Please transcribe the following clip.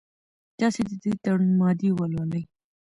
تاسي د دې تړون مادې ولولئ.